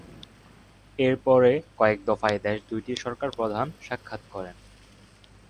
এরপরে কয়েকদফায় দেশ দুইটির সরকার প্রধান সাক্ষাৎ করেন।